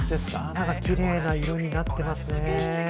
なんかきれいな色になってますね。